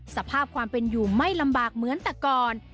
สภาพความเป็นอยู่ไม่ลำบากเหมือนแต่ก่อน